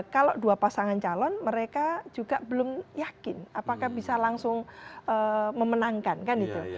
kalau dua pasangan calon mereka juga belum yakin apakah bisa langsung memenangkan kan itu